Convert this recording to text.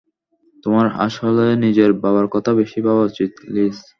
তোমার আসলে নিজের বাবার কথা বেশি ভাবা উচিৎ, লিস।